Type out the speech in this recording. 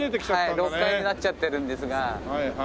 ６階になっちゃってるんですが。